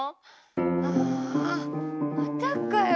あまたかよ。